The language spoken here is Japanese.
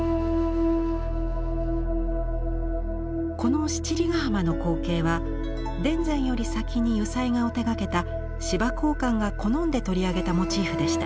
この七里ヶ浜の光景は田善より先に油彩画を手がけた司馬江漢が好んで取り上げたモチーフでした。